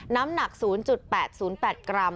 น้ำหนัก๐๘๐๘กรัม